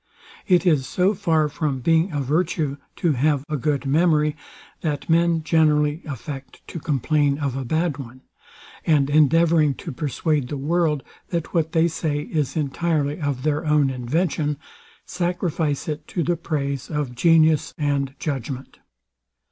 It is so far from being a virtue to have a good memory, that men generally affect to complain of a bad one; and endeavouring to persuade the world, that what they say is entirely of their own invention, sacrifice it to the praise of genius and judgment.